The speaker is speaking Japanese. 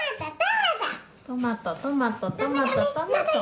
トマトトマトトマトトマト。